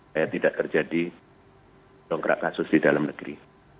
saya tidak terjadi dongkrak kasus di dalam negeri